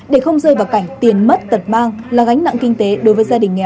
để không rơi vào cảnh tiền mất tật mang là gánh nặng kinh tế đối với gia đình nghèo